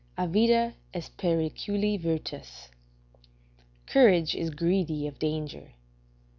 "Avida est periculi virtus." ["Courage is greedy of danger."